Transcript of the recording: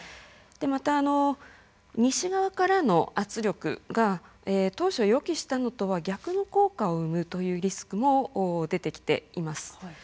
また、西側からの圧力が当初、予期したのとは逆の効果を生むというリスクも出てきています。